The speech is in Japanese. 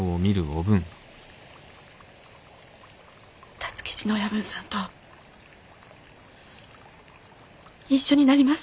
辰吉の親分さんと一緒になります。